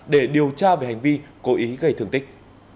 để điều tra về hành vi cố ý gây thương tích